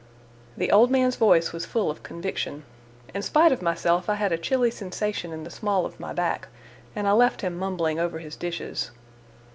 The old man's voice was full of conviction. In spite of myself I had a chilly sensation in the small of my back, and I left him mumbling over his dishes.